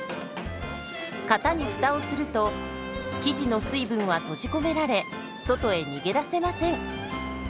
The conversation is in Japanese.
型にフタをすると生地の水分は閉じ込められ外へ逃げ出せません。